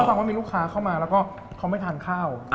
ฟังว่ามีลูกค้าเข้ามาแล้วก็เขาไม่ทานข้าว